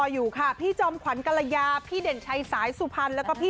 อยู่ค่ะพี่จอมขวัญกรยาพี่เด่นชัยสายสุพรรณแล้วก็พี่